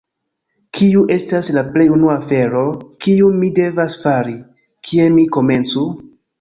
Kiu estas la plej unua afero, kiun mi devas fari? Kie mi komencu?